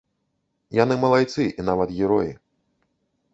Яны малайцы і нават героі.